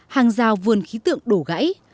hàng rào vườn khí tượng đổ gãy